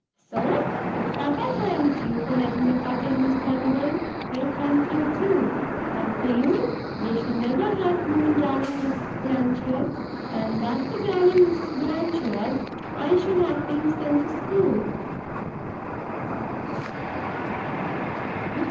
So, if papa thanks you for letting the cottage, Mr. Armadale, I thank you, too. But for you, we should never have known darling Mrs. Blanchard; and but for darling Mrs. Blanchard, I should have been sent to school."